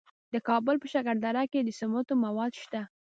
د کابل په شکردره کې د سمنټو مواد شته.